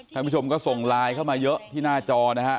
ท่านผู้ชมก็ส่งไลน์เข้ามาเยอะที่หน้าจอนะฮะ